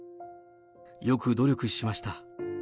よく努力しました。